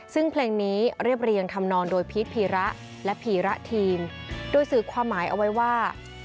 ซึ่งเพลงนี้เรียบเรียงทำนองโดยพีชพีระและพีระทีนโดยสื่อความหมายเอาไว้ว่า